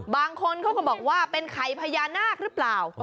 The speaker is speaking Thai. บางคนเขาก็บอกว่าเป็นไข่พญานาคหรือเปล่า